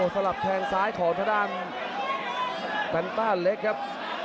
สลับแทนซ้ายของชะดานแปลนต้านเล็กครับ